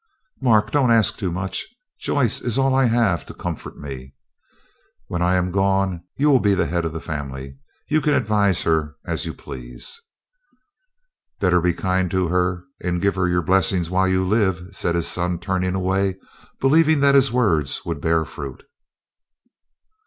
"Mark, don't ask too much. Joyce is all I have to comfort me. When I am gone you will be the head of the family. You can then advise her as you please." "Better be kind to her and give her your blessing while you live," said his son, turning away, believing that his words would bear fruit.